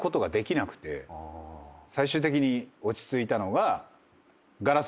最終的に落ち着いたのが。